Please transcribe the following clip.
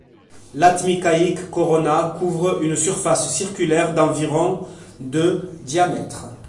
Latmikaik Corona couvre une surface circulaire d'environ de diamètre.